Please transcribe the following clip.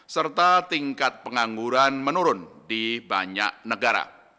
serta tingkat pengangguran menurun di banyak negara